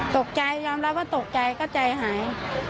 ยอมรับว่าตกใจก็ใจหาย